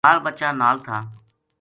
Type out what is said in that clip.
بال بچہ نال تھا